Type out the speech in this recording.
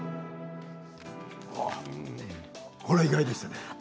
これ意外でしたね。